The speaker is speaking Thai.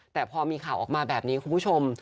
แต่พอมีข่าวออกมาแบบนี้คุณผู้ชม